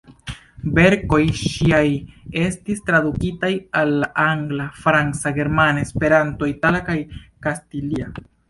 Verkoj ŝiaj estis tradukitaj al la angla, franca, germana, Esperanto, itala kaj kastilia.